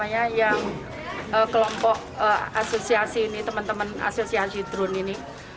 yang kelompok asosiasi ini teman teman asosiasi drone ini